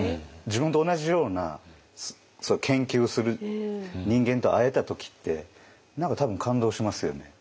自分と同じような研究をする人間と会えた時って何か多分感動しますよね。